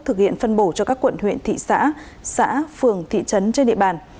thực hiện phân bổ cho các quận huyện thị xã xã phường thị trấn trên địa bàn